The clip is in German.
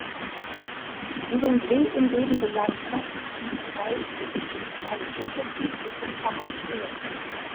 Die den See umgebende Landschaft unterteilt sich in zwei unterschiedliche Charaktere.